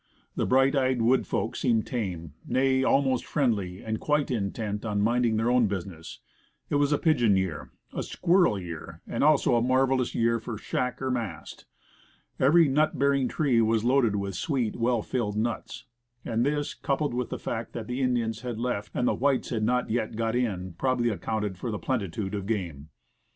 But the bright eyed woodfolk seemed tame, nay, almost friendly, and quite intent on mind ing their own business. It was a "pigeon year," a i id Woodcraft "squirrel year," and also a marvelous year for shack, or mast. Every nut bearing tree was loaded with sweet, well filled nuts; and this, coupled with the fact that the Indians had left, and the whites had not yet got in, probably accounted for the plenitude of game.